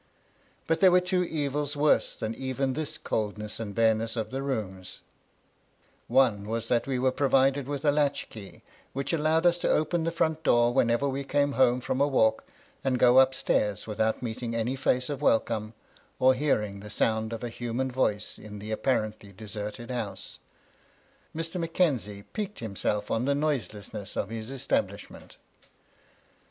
But there were two evils worse than even this coldness and bareness of the rooms : one was that we were provided with a latch key, which allowed us to open the front door whenever we came home from a walk, and go upstairs without meeting any face of welcome, or hearing the sound of a human voice in the apparently deserted house — Mr. Mackenzie piqued himself on the noiselessness of his establishment ; and B 2 4 ROUND THE SOFA.